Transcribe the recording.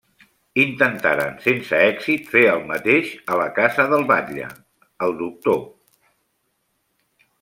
Intentaren, sense èxit fer el mateix a la casa del batlle, el doctor.